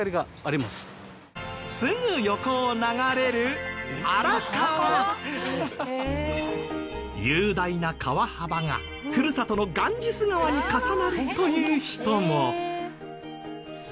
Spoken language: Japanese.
すぐ横を流れる雄大な川幅がふるさとのガンジス川に重なるという人も。